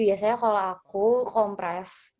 biasanya kalau aku compress